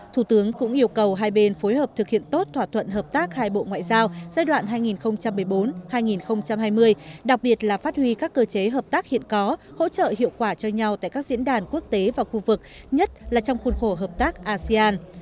thủ tướng cũng yêu cầu hai bên phối hợp thực hiện tốt thỏa thuận hợp tác hai bộ ngoại giao giai đoạn hai nghìn một mươi bốn hai nghìn hai mươi đặc biệt là phát huy các cơ chế hợp tác hiện có hỗ trợ hiệu quả cho nhau tại các diễn đàn quốc tế và khu vực nhất là trong khuôn khổ hợp tác asean